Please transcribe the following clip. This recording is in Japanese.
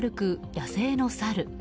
野生のサル。